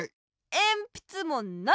えんぴつもない！